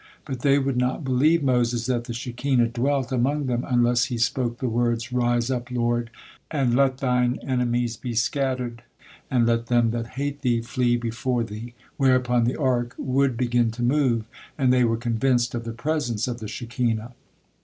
But they would not believe Moses that the Shekinah dwelt among them unless he spoke the words: "Rise up, Lord, and let Thine enemies be scattered; and let them that hate Thee flee before Thee," whereupon the Ark would begin to move, and they were convinced of the presence of the Shekinah.